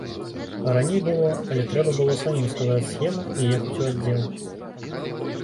А раней было, але трэба было самім складаць схему і ехаць у аддзел.